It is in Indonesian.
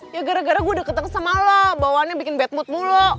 ya gara gara gue udah ketengah sama lo bawaannya bikin bad mood mulu